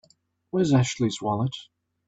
Where's Ashley's wallet?